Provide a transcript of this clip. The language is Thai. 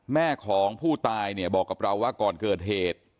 แม่ของผู้ตายเนี่ยบอกกับเราว่าก่อนเกิดเหตุ